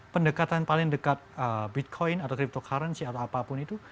pendekatan paling dekat bitcoin atau cryptocurrency atau apapun itu